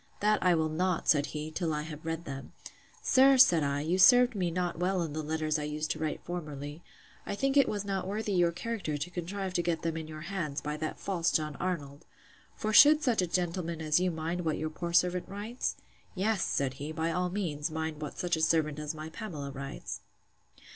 That I will not, said he, till I have read them. Sir, said I, you served me not well in the letters I used to write formerly: I think it was not worthy your character to contrive to get them in your hands, by that false John Arnold! for should such a gentleman as you mind what your poor servant writes?—Yes, said he, by all means, mind what such a servant as my Pamela writes.